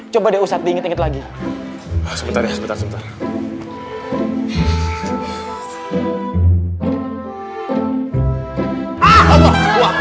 coba deh ustaz diinget inget lagi sebentar ya sebentar sebentar